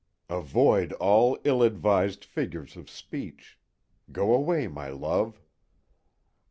Avoid all ill advised figures of speech. Go away, my love!